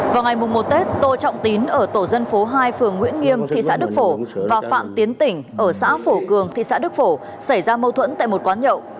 vào ngày một tết tô trọng tín ở tổ dân phố hai phường nguyễn nghiêm thị xã đức phổ và phạm tiến tỉnh ở xã phổ cường thị xã đức phổ xảy ra mâu thuẫn tại một quán nhậu